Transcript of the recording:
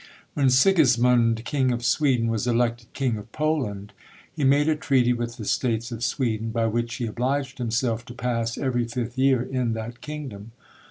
When Sigismond, king of Sweden, was elected king of Poland, he made a treaty with the states of Sweden, by which he obliged himself to pass every fifth year in that kingdom.